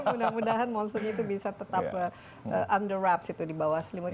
mudah mudahan monsternya itu bisa tetap under wraps itu di bawah selimut